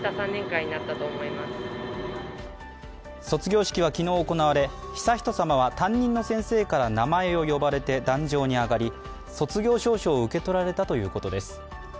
卒業式は昨日行われ、悠仁さまは担任の先生から名前を呼ばれて壇上に上がり、卒業証書を受け取られたということです。